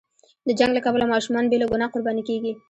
د جنګ له کبله ماشومان بې له ګناه قرباني کېږي.